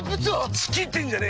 チキってんじゃねえ！